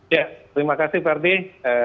ya terima kasih ferdie